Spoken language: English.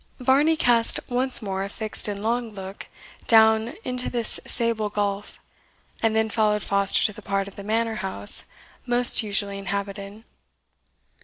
Varney cast once more a fixed and long look down into this sable gulf, and then followed Foster to the part of the manor house most usually inhabited.